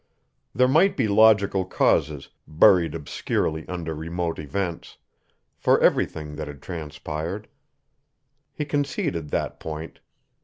There might be logical causes, buried obscurely under remote events, for everything that had transpired. He conceded that point.